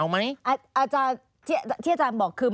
ที่อาจารย์บอกคือ